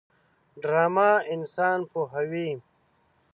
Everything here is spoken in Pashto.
ډرامه انسان پوهوي